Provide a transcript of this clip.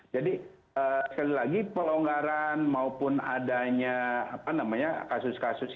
jadi sekali lagi pelonggaran maupun adanya kasus kasus